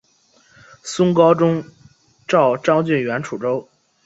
宋高宗诏张俊援楚州。